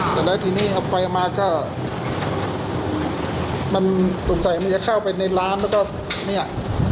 เสร็จแล้วทีนี้เอาไปมาก็มันสงสัยมันจะเข้าไปในร้านแล้วก็เนี่ย